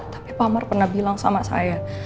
tapi pak mar pernah bilang sama saya